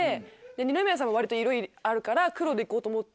二宮さんも割と色あるから黒でいこうと思って。